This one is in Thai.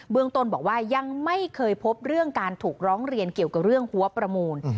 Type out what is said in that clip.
ตนบอกว่ายังไม่เคยพบเรื่องการถูกร้องเรียนเกี่ยวกับเรื่องหัวประมูล